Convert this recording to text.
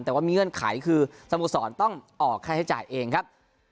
แต่ว่ามีเงื่อนไขคือสโมสรต้องออกค่าใช้จ่ายเองครับ